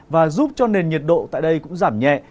và giúp cho nền nhiệt độ tại đây cũng giảm nhẹ